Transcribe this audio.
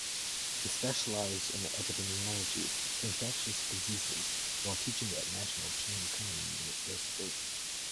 He specialized in epidemiology and infectious diseases while teaching at National Cheng Kung University.